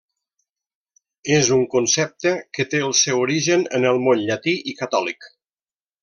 És un concepte que té el seu origen en el món llatí i catòlic.